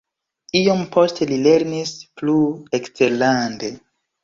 Iom poste li lernis plu eksterlande.